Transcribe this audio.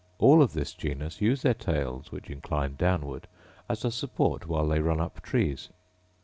All of this genus use their tails, which incline downward, as a support while they run up trees.